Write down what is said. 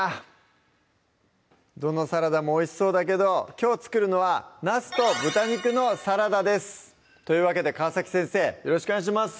どのサラダもおいしそうだけどきょう作るのは「なすと豚肉のサラダ」ですというわけで川先生よろしくお願いします